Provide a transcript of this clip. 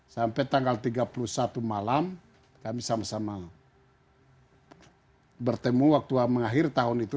sampai tanggal tiga puluh satu malam kami sama sama bertemu waktu mengakhir tahun itu